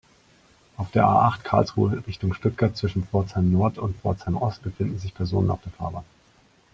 Auf der A-acht, Karlsruhe Richtung Stuttgart, zwischen Pforzheim-Nord und Pforzheim-Ost befinden sich Personen auf der Fahrbahn.